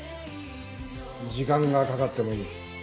時間がかかってもいい。